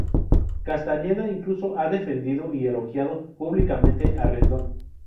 Castañeda incluso ha defendido y elogiado públicamente a Rendón.